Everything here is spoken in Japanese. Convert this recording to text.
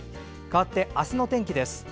続いて、明日の天気です。